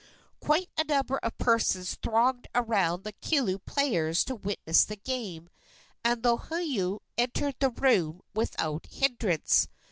Quite a number of persons thronged around the kilu players to witness the game, and Lohiau entered the room without hindrance.